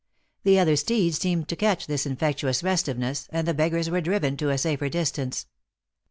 The other steeds seemed to catch this infectious rest iveness, and the beggars were driven to a safer dis tance.